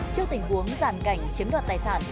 trước tình huống giàn cảnh chiếm đoạt tài sản